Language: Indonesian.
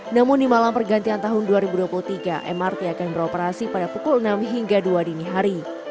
namun di malam pergantian tahun dua ribu dua puluh tiga mrt akan beroperasi pada pukul enam hingga dua dini hari